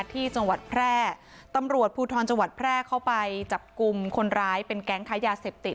ที่จังหวัดแพร่ตำรวจภูทรจังหวัดแพร่เข้าไปจับกลุ่มคนร้ายเป็นแก๊งค้ายาเสพติด